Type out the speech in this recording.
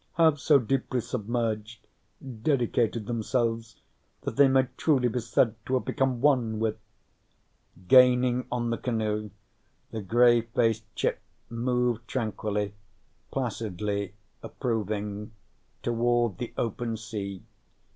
" have so deeply submerged, dedicated themselves, that they might truly be said to have become one with " Gaining on the canoe, the gray faced chip moved tranquilly, placidly approving, toward the open sea.